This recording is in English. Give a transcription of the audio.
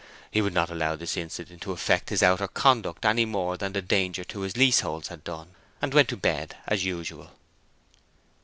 He would not allow this incident to affect his outer conduct any more than the danger to his leaseholds had done, and went to bed as usual.